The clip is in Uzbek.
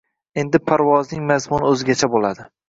endi parvozning mazmuni o‘zgacha bo‘ladi